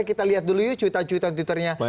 kita lihat dulu cuitan cuitan twitter nya